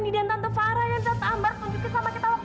itu surat yonly